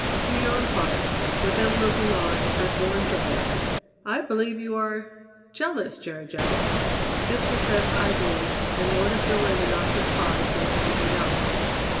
Do your own part, with them looking on as will enjoy it." "I believe you are jealous, Jerry Jo." This was said idly and more to fill in an awkward pause than for anything else.